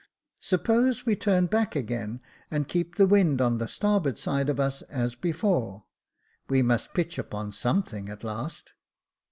Suppose we turn back again, and keep the wind on the starboard side of us as before ; we must pitch upon something at last."